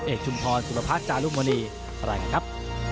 เอกชุมธรสุรพัฒน์จารุมณีบรรยากันครับ